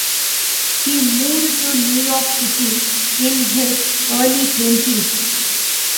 He moved to New York City in his early twenties.